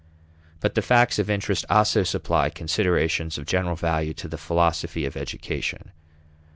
But the facts of interest also supply considerations of general value to the philosophy of education.